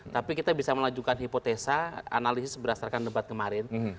tapi kita bisa melajukan hipotesa analisis berdasarkan debat kemarin